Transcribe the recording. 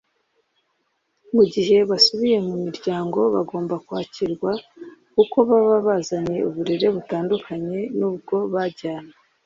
Mu gihe basubiye mu miryango bagomba kwakirwa kuko baba bazanye uburere butandukanye n’ubwo bajyanye